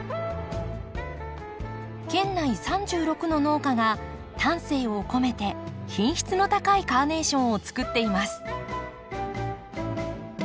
県内３６の農家が丹精を込めて品質の高いカーネーションをつくっています。